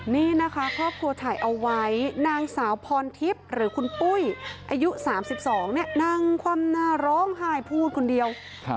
นี่นะคะครอบครัวถ่ายเอาไว้นางสาวพรทิพย์หรือคุณปุ้ยอายุ๓๒เนี่ยนั่งคว่ำหน้าร้องไห้พูดคนเดียว